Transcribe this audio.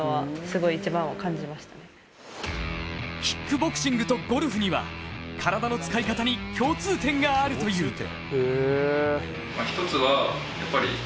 キックボクシングとゴルフには体の使い方に共通点があるという。